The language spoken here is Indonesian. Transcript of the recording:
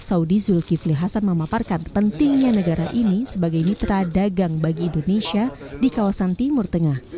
saudi zulkifli hasan memaparkan pentingnya negara ini sebagai mitra dagang bagi indonesia di kawasan timur tengah